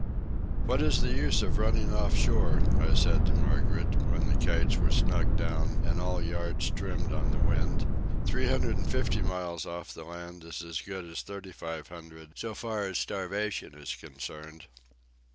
"What is the use of running off shore?" I said to Margaret, when the kites were snugged down and all yards trimmed on the wind. "Three hundred and fifty miles off the land is as good as thirty five hundred so far as starvation is concerned."